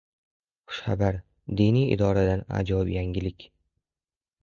Xushxabar! Diniy idoradan ajoyib yangilik...